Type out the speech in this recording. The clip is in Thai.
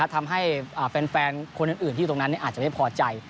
ทำให้แฟนคนอื่นที่อยู่ตรงนั้นอาจจะไม่พอใจ